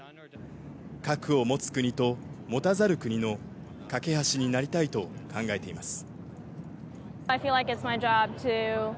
核を持つ国と持たざる国の懸け橋になりたいと考えています。